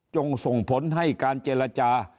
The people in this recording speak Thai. ส่งผลให้การเจรจา